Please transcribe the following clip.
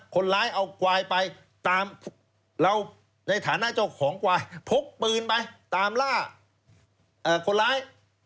คนร้ายเอาควายไปตามเราในฐานะเจ้าของควายพกปืนไปตามล่าคนร้าย